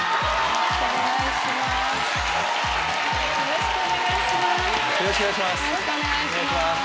よろしくお願いします！